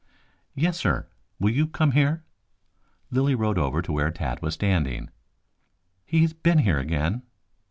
"Yes, sir; will you come here?" Lilly rode over to where Tad was standing. "He has been here again."